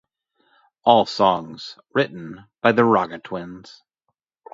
All songs written by The Ragga Twins